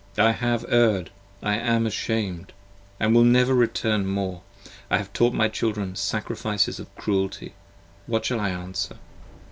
I have erred! I am ashamed! and will never return more: I have taught my children sacrifices of cruelty: what shall I answer?